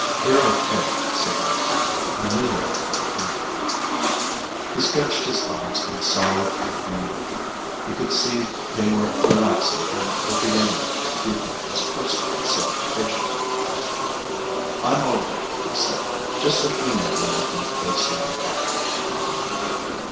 "They're okay," said Underhill. "I knew that before I came in here." He stretched his arms and sighed and grinned at them. He could see they were relaxing and were beginning to treat him as a person instead of a patient. "I'm all right," he said. "Just let me know when I can go see my Partner."